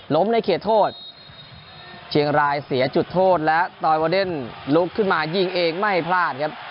ในเขตโทษเชียงรายเสียจุดโทษและตอยวาเดนลุกขึ้นมายิงเองไม่พลาดครับ